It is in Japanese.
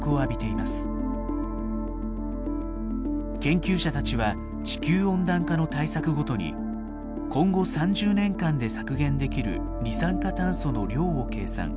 研究者たちは地球温暖化の対策ごとに今後３０年間で削減できる二酸化炭素の量を計算。